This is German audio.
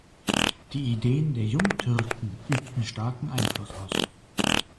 Die Ideen der Jungtürken übten starken Einfluss aus.